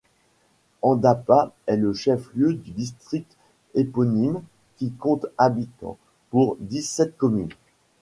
Andapa est le chef-lieu du district éponyme, qui compte habitants, pour dix-sept communes.